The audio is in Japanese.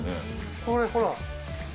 これほら。